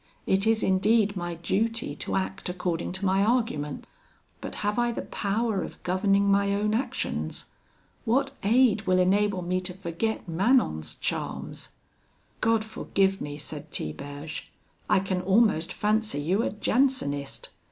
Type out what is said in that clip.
it is indeed my duty to act according to my argument; but have I the power of governing my own actions? What aid will enable me to forget Manon's charms?' 'God forgive me,' said Tiberge, 'I can almost fancy you a Jansenist.